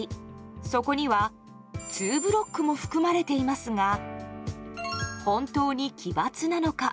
そこにはツーブロックも含まれていますが本当に奇抜なのか。